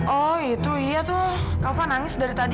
oh itu iya tuh kamu nangis dari tadi